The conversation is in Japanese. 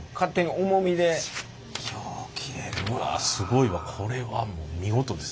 すごいわこれはもう見事です。